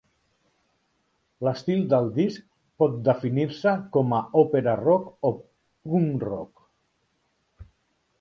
L'estil del disc pot definir-se com a òpera rock o punk rock.